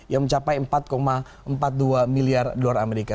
yang mencapai empat empat puluh dua miliar dolar amerika